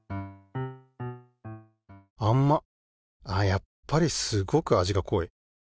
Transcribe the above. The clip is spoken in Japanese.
やっぱりすごく味が濃い。